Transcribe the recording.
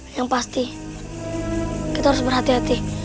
yang pasti kita harus berhati hati